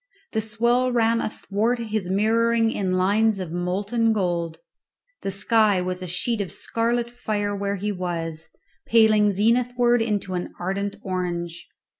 The swell ran athwart his mirroring in lines of molten gold; the sky was a sheet of scarlet fire where he was, paling zenithwards into an ardent orange.